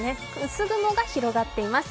薄雲が広がっています。